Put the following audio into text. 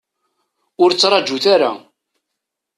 Ur ttraǧut ara.